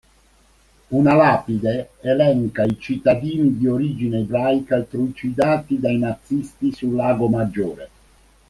Una lapide elenca i cittadini di origine ebraica trucidati dai nazisti sul Lago Maggiore.